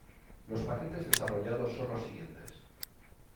Los paquetes desarrollados son los siguientes.